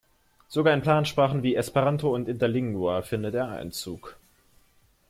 Sogar in Plansprachen wie Esperanto und Interlingua findet er Einzug.